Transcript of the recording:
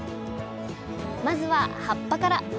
まずは葉っぱから。